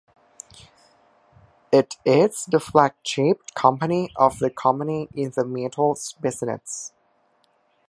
It is the Flagship company of the company in the metals business.